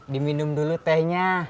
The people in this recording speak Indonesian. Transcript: diminum dulu tehnya